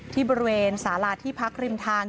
ที่บริเวณสาราที่พักริมทาง